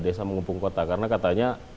desa mengepung kota karena katanya